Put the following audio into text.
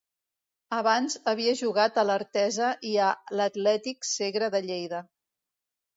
Abans havia jugat a l'Artesa i a l'Atlètic Segre de Lleida.